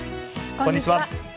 こんにちは。